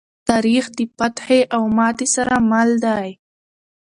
تاریخ د فتحې او ماتې سره مل دی.